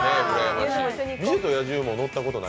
「美女と野獣」も乗ったことない？